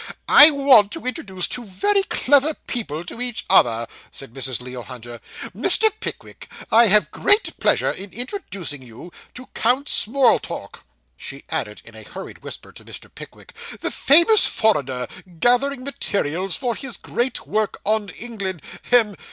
'I want to introduce two very clever people to each other,' said Mrs. Leo Hunter. 'Mr. Pickwick, I have great pleasure in introducing you to Count Smorltork.' She added in a hurried whisper to Mr. Pickwick 'The famous foreigner gathering materials for his great work on England hem!